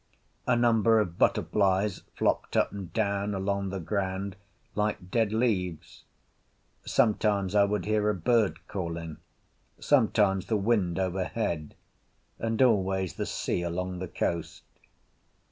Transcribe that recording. A number of butterflies flopped up and down along the ground like dead leaves; sometimes I would hear a bird calling, sometimes the wind overhead, and always the sea along the coast.